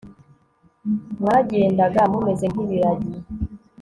mwagendaga mumeze nkibiragi